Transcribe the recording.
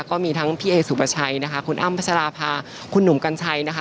ก็มีทั้งพี่เอสุปชัยนะคะคุณอ้ำพัชราภาคุณหนุ่มกัญชัยนะคะ